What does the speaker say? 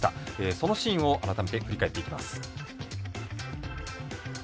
そのシーンを改めて振り返っていきます。